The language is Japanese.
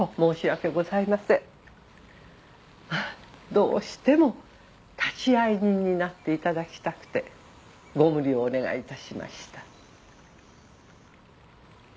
どうしても立会人になっていただきたくてご無理をお願いいたしました。